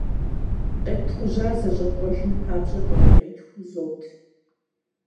Къептхъужьар зэщӏэпкъуэжын папщӏэ дакъикъитху узот.